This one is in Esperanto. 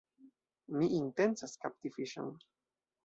Mi intencas kapti fiŝon.